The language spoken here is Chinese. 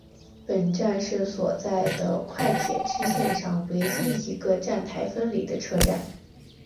本站是所在的快铁支线上唯一一个站台分离的车站。